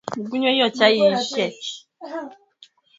Tafiti hizo kadhalika zinaonesha kuwa jamii hutumia kiwango kikubwa